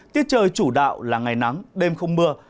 tiết trời chủ đạo là ngày nắng đêm không mưa